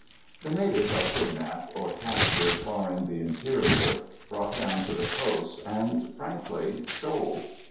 The natives are kidnaped or captured far in the interior, brought down to the coast, and frankly sold.